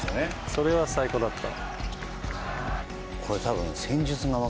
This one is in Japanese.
それは最高だった。